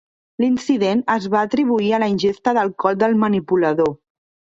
L'incident es va atribuir a la ingesta d'alcohol del manipulador.